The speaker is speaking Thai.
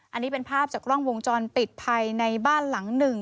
อันนี้เป็นภาพจากกล้องวงจรปิดภายในบ้านหลังหนึ่ง